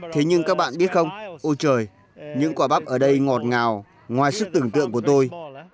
thế nhưng các bạn biết không ô trời những quả bắp ở đây ngọt ngào ngoài sức tưởng tượng của tôi